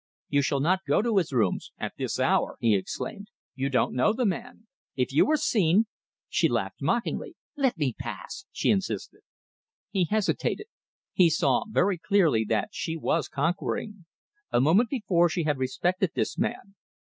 "You shall not go to his rooms at this hour!" he exclaimed. "You don't know the man! If you were seen " She laughed mockingly. "Let me pass!" she insisted. He hesitated. She saw very clearly that she was conquering. A moment before she had respected this man.